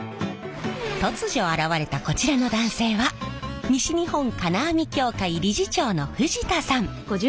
突如現れたこちらの男性は西日本金網協会理事長の藤田さん。